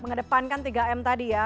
mengedepankan tiga m tadi ya